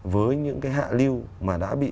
với những cái hạ lưu mà đã bị